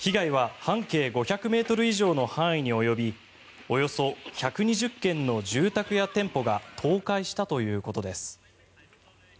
被害は半径５００ｍ以上の範囲に及びおよそ１２０軒の住宅や店舗が倒壊したということです。